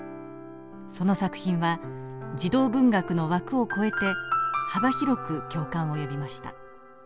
その作品は児童文学の枠を超えて幅広く共感を呼びました。